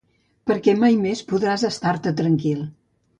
Perquè mai més podràs estar-te tranquil.